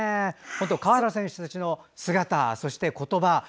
本当、川原選手たちの姿そして言葉。